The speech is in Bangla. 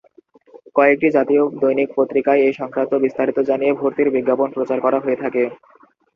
কয়েকটি জাতীয় দৈনিক পত্রিকায় এ সংক্রান্ত বিস্তারিত জানিয়ে ভর্তির বিজ্ঞাপন প্রচার করা হয়ে থাকে।